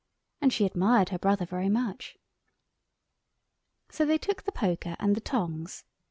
And she admired her brother very much. So they took the poker and the tongs.